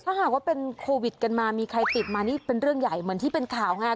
ถ้าหากว่าเป็นโควิดกันมามีใครติดมานี่เป็นเรื่องใหญ่เหมือนที่เป็นข่าวไง